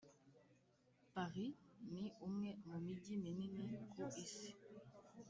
paris ni umwe mu mijyi minini ku isi.